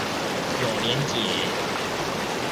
有連結